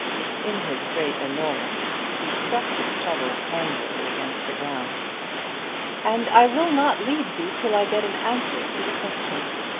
In his great annoyance he struck his shovel angrily against the ground. "And I will not leave you till I get an answer to the question.